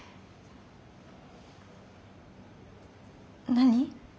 何？